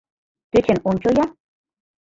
Тӧчен ончо-я!